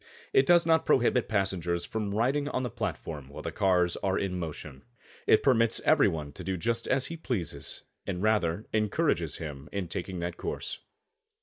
It does not prohibit passengers from riding on the platform while the cars are in motion. It permits every one to do just as he pleases and rather encourages him in taking that course.